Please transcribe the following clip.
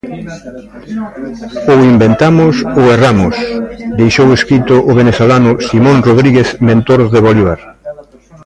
Ou inventamos, ou erramos, deixou escrito o venezolano Simón Rodríguez, mentor de Bolívar.